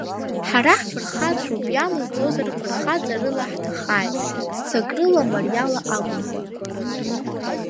Ҳара ҳфырхацәоуп, иамуӡозар фырхаҵарыла ҳҭахааит, ццакрыла, мариала акәымкәа.